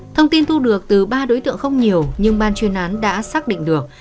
thông tin thu được từ ba đối tượng không nhiều nhưng ban chuyên án đã xác định được